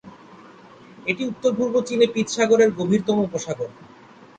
এটি উত্তর-পূর্ব চীনে পীত সাগরের গভীরতম উপসাগর।